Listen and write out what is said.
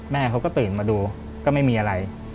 แม่เขาก็ตื่นมาดูก็ไม่มีอะไร